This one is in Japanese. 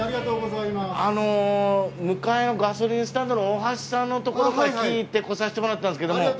あの向かいのガソリンスタンドの大橋さんのところから聞いて来させてもらったんですけども。